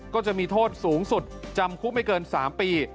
ก็จะมีโทษสูงสุดจำคุกไม่เกิน๓ปี